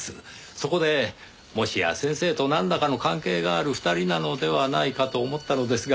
そこでもしや先生と何らかの関係がある２人なのではないかと思ったのですが。